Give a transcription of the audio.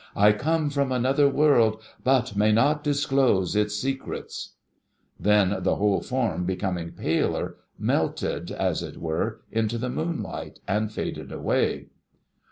I come from another world, but may not disclose its secrets !' Then, the whole form becoming paler, melted, as it v.'ere, into the moonlight, and faded away.